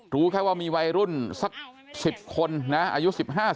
รู้แค่ว่ามีวัยรุ่นสัก๑๐คนนะอายุ๑๕